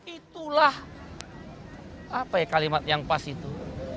itulah apa ya kalimat yang pas itu